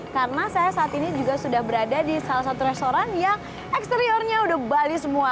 karena saya saat ini juga sudah berada di salah satu restoran yang eksteriornya udah bali semua